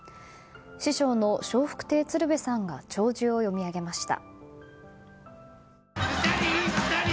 師匠の笑福亭鶴瓶さんが弔辞を読み上げました。